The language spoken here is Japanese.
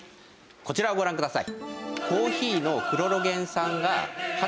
こちらをご覧ください。